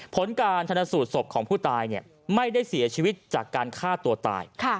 ผลการชนสูตรศพของผู้ตายไม่ได้เสียชีวิตจากการฆ่าตัวตาย